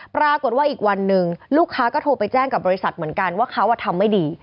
ปรากฏว่าอีกวันหนึ่งลูกค้าก็โทรไปแจ้งกับบริษัทเหมือนกันว่าเขาทำไม่ดี